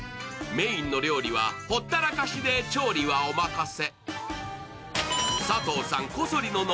メインの料理は、ほったらかしで調理はお任せ。